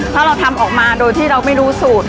ถ้าเราทำออกมาโดยที่เราไม่รู้สูตร